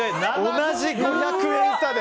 同じ５００円差で。